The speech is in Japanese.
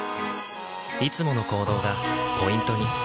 いつもの行動がポイントに。